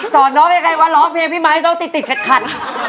สอนน้องเป็นใครว่าร้องเพลงพี่ไมค์ต้องติดติดขัดขัด